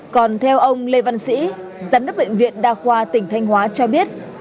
còn theo ông lê văn sĩ giám đốc bệnh viện đa khoa tỉnh thanh hóa cho biết